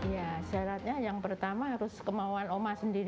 ya syaratnya yang pertama harus kemauan oma sendiri